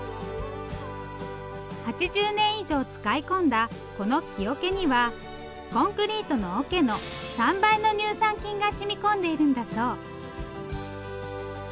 ８０年以上使い込んだこの木桶にはコンクリートの桶の３倍の乳酸菌がしみ込んでいるんだそう。